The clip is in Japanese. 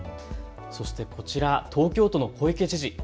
そしてこちら東京都の小池知事。